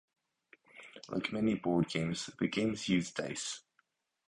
Like many board games, the games use dice.